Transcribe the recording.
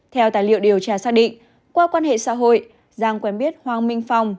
theo tài liệu điều tra xác định qua quan hệ xã hội giang quen biết hoàng minh phong